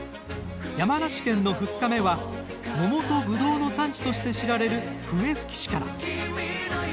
山梨県の２日目は桃とぶどうの産地として知られる笛吹市から。